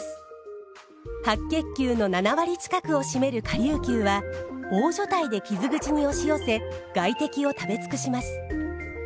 白血球の７割近くを占める顆粒球は大所帯で傷口に押し寄せ外敵を食べ尽くします。